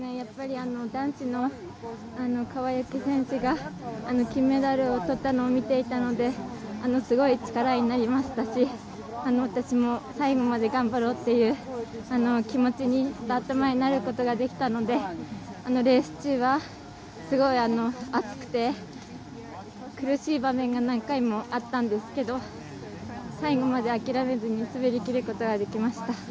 男子の川除選手が金メダルをとったのを見ていたのですごい力になりましたし私も最後まで頑張ろうという気持ちにスタート前なることができたのでレース中は、すごい暑くて苦しい場面が何回もあったんですけど最後まで諦めずに滑りきることができました。